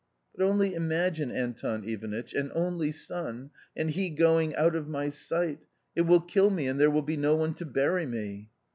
" But only imagine, Anton Ivanitch, an only son, and he going out of my sight ; it will kill me and there will be no one to bury me."